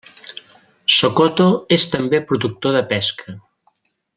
Sokoto és també productor de pesca.